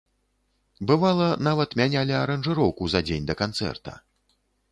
Бывала, нават мянялі аранжыроўку за дзень да канцэрта.